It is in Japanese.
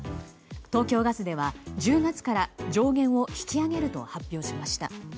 東京ガスでは、１０月から上限を引き上げると発表しました。